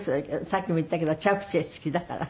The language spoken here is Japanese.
さっきも言ったけどチャプチェ好きだから。